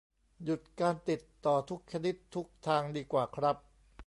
หยุดการติดต่อทุกชนิดทุกทางดีกว่าครับ